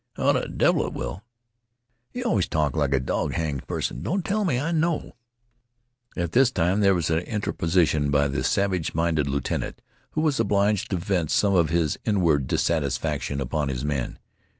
"Oh, the devil it will! You always talk like a dog hanged parson. Don't tell me! I know " At this time there was an interposition by the savage minded lieutenant, who was obliged to vent some of his inward dissatisfaction upon his men.